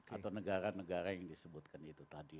atau negara negara yang disebutkan itu tadi